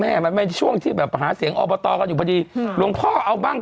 มันเป็นช่วงที่แบบหาเสียงอบตกันอยู่พอดีหลวงพ่อเอาบ้าง